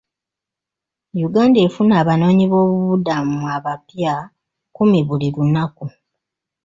Uganda efuna abanoonyi boobubudamu abapya kkumi buli lunaku.